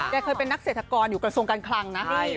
แต่เคยเป็นนักเสร็จทากรอยู่กละส่วนกันคลัง